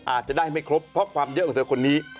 อาจจะได้ไม่ครบเพราะความเยอะของเธอคนนี้